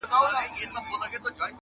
د اوښکو تر ګرېوانه به مي خپله لیلا راسي-